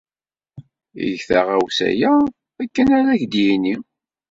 Eg taɣawsa-a akken ara ak-d-yini.